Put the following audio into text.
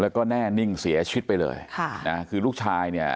แล้วก็แน่นิ่งเสียชีวิตไปเลยค่ะนะคือลูกชายเนี่ย